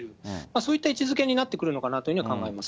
そういった位置づけになってくるのかなというふうには考えます。